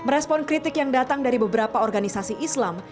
merespon kritik yang datang dari beberapa organisasi islam